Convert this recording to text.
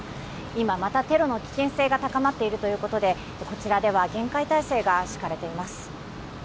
今、またテロの危険性が高まっているということで、こちらでは厳戒態勢が敷かれています。